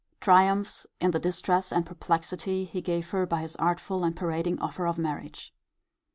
Triumphs in the distress and perplexity he gave her by his artful and parading offer of marriage.